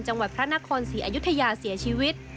จังหวัดพระนครศรีอยุธยาเสียชีวิต